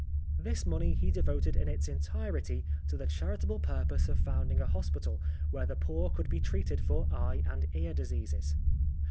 This money he devoted in its entirety to the charitable purpose of founding a hospital where the poor could be treated for eye and ear dis eases.